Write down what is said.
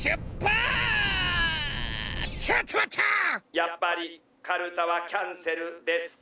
やっぱりかるたはキャンセルですか？